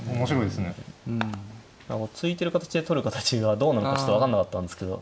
突いてる形で取る形がどうなのかちょっと分かんなかったんですけど。